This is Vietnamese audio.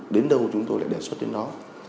đến đâu chúng tôi lại đề xuất đến đó